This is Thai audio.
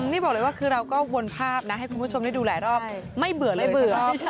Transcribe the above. นี่บอกเลยว่าคือเราก็วนภาพนะให้คุณผู้ชมได้ดูหลายรอบไม่เบื่อเลยเบื่อ